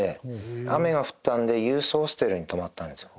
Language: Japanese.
雨が降ったのでユースホステルに泊まったんですよ。